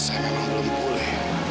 saya memang belum bule